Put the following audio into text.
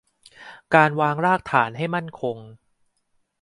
การวางรากฐานให้มั่นคง